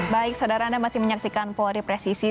baik saudara anda masih menyaksikan polri presisi